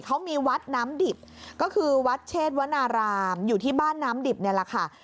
เขามีวัดน้ำดิบก็คือวัดเชษวนารามอยู่ที่บ้านน้ำดิบนี่แหละค่ะ